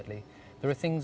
tapi pada akhirnya